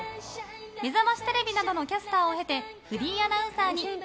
「めざましテレビ」などのキャスターを経てフリーアナウンサーに。